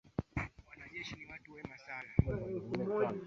wafanyabiashara serikali harakati za kijamii na shughuli za kijeshi